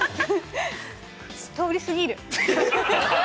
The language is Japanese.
◆通り過ぎる。